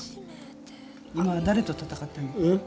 今は誰と戦ってんの？